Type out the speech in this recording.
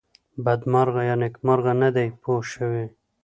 بدمرغه یا نېکمرغه نه دی پوه شوې!.